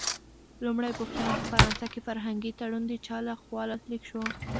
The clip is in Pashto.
لومړۍ پوښتنه: په فرانسه کې فرهنګي تړون د چا له خوا لاسلیک شو؟